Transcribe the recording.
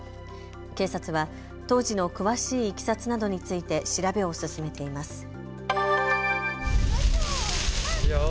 警察は当時の詳しいいきさつなどについて調べを進めています。